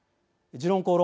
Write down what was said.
「時論公論」